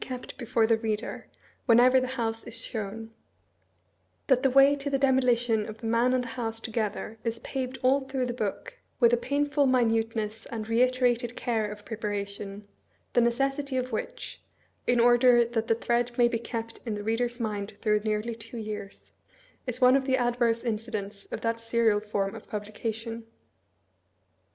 279 kept before the reader, whenever the house is shown ; that the way to the demolition of the man and the house to gether is paved all through the book with a painful mi nuteness and reiterated care of preparation, the necessity of which (in order that the thread may be kept ia the reader's mind through nearly two years) is one of the adverse incidents of that serial form of publication?